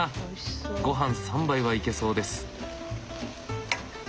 ごはん３杯はいけそうです。